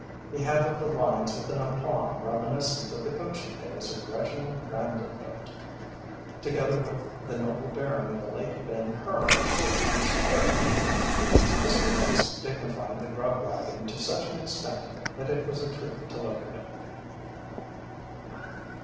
He handled the lines with an aplomb reminiscent of the coaching days of Reginald Vanderbilt, together with the noble bearing of the late Ben Hur tooling his chariot. Mr. Hicks dignified the "grub wagon" to such an extent that it was a treat to look at him.